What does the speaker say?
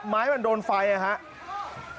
ไม้มันโดนไฟนะครับ